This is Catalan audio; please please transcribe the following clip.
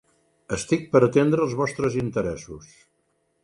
Estic per atendre els vostres interessos.